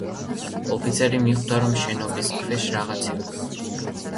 ოფიცერი მიხვდა რომ შენობის ქვეშ რაღაც იყო.